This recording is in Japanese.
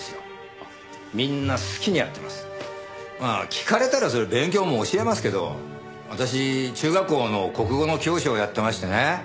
聞かれたらそりゃ勉強も教えますけど私中学校の国語の教師をやっていましてね